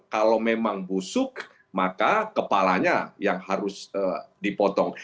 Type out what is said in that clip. kalau memang busuk maka kepalanya yang harus dipotong